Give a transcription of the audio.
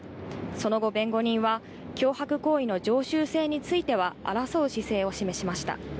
その後、弁護人は脅迫行為の常習性については、争う姿勢を示しました。